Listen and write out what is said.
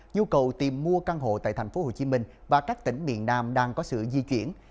nhu cầu tìm mua căn hộ tại tp hcm và các tỉnh miền nam đang có sự di chuyển